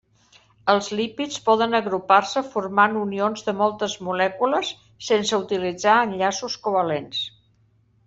Els lípids poden agrupar-se formant unions de moltes molècules sense utilitzar enllaços covalents.